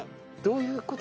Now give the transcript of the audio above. どういう事？